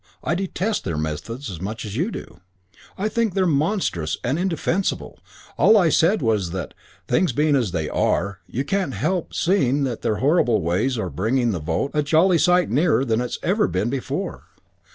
I detest their methods as much as you do. I think they're monstrous and indefensible. All I said was that, things being as they are, you can't help seeing that their horrible ways are bringing the vote a jolly sight nearer than it's ever been before.